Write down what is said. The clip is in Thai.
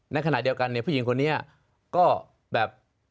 ในขณะเดียวกันเนี่ยผู้หญิงคนนี้ก็แบบ